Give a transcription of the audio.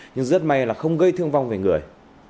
nhưng rất may là không gây thương vong về người